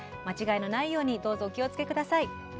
間違いのないようにどうぞお気をつけください。